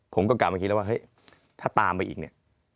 ผมก็กลับมาคิดแล้วว่าเฮ้ยถ้าตามไปอีกเนี่ย